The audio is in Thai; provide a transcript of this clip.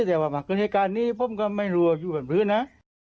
แต่ว่ามากินเทพการนี้พบก็ไม่รู้อยู่บรรพื้นนะ